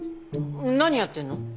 何やってるの？